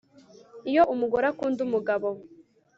iyo umugore akunda umugabo